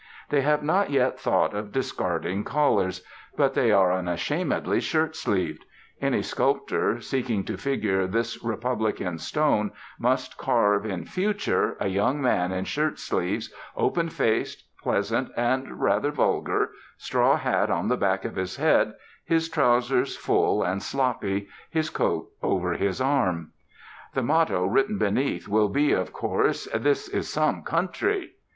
They have not yet thought of discarding collars; but they are unashamedly shirt sleeved. Any sculptor, seeking to figure this Republic in stone, must carve, in future, a young man in shirt sleeves, open faced, pleasant, and rather vulgar, straw hat on the back of his head, his trousers full and sloppy, his coat over his arm. The motto written beneath will be, of course, 'This is some country.'